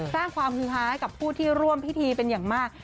สร้างความฮือฮาให้กับผู้ที่ร่วมพิธีเป็นอย่างมาก